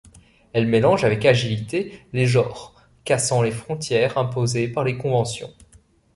Elle mélange avec agilité les genres cassant les frontières imposées par les conventions.